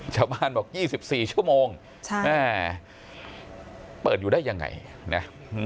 ชาวบ้านบอก๒๔ชั่วโมงแม่เปิดอยู่ได้ยังไงนะ